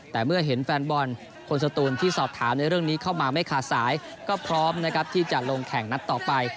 แต่เมื่อเห็นแฟนบอลคนสตูนที่สอบถามในเรื่องนี้เข้ามาไม่ขาดสายก็พร้อมนะครับที่จะลงแข่งนัดต่อไป